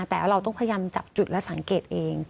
แต่เราต้องพยายามจับจุดและสังเกตเอง